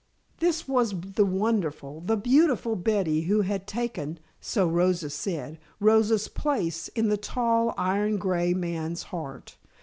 This was the wonderful, the beautiful Betty who had taken so Rosa said Rosa's place in the tall iron gray man's heart.